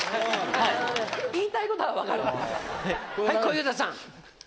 はい小遊三さん。